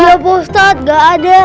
iya pak ustadz gak ada